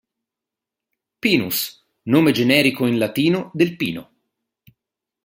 Pinus: nome generico in latino del pino.